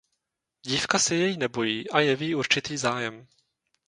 Dívka se jej nebojí a jeví určitý zájem.